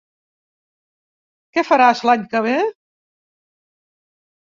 Què faràs l'any que ve?